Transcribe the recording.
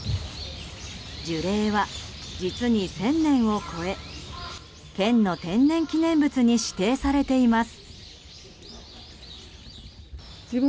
樹齢は実に１０００年を超え県の天然記念物に指定されています。